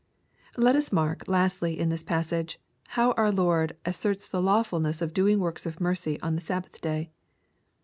Let us mark, lastly, in this passage, how our Lord asserts the lawfulness of doing works of mercy on the Sabbath day.